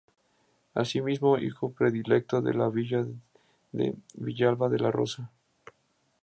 Asimismo, hijo predilecto de la Villa de Villalba de Losa.